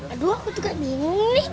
aduh aku juga bingung nih